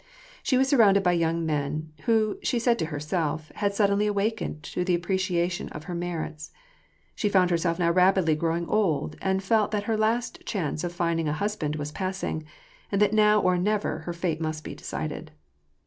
She was surrounded by young men, who, she said to herself, had suddenlv awakened to the appreciation of her merits. She found herself now rapidly growing old, and felt that her last chance of finding a husband was passing, and that now or never her fate must be decided.